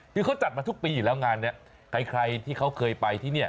คือเขาจัดมาทุกปีอยู่แล้วงานนี้ใครที่เขาเคยไปที่นี่